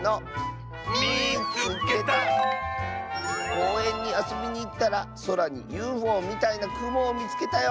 「こうえんにあそびにいったらそらにＵＦＯみたいなくもをみつけたよ」。